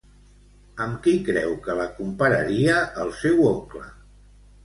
Amb qui creu que la compararia el seu oncle?